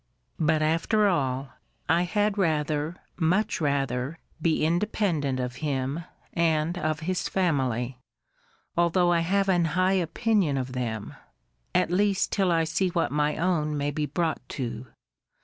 But after all, I had rather, much rather, be independent of him, and of his family, although I have an high opinion of them; at least till I see what my own may be brought to.